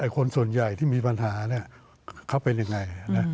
คนส่วนใหญ่ที่มีปัญหาเขาเป็นยังไง